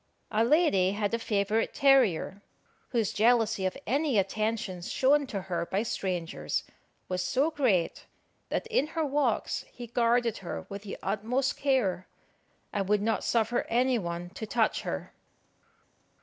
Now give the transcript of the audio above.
A lady had a favourite terrier, whose jealousy of any attentions shown to her by strangers was so great, that in her walks he guarded her with the utmost care, and would not suffer any one to touch her.